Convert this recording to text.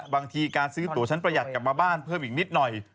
บางทีการซื้อตัวชั้นประหยัดกลับมาบ้านเพิ่มอีกนิดหน่อย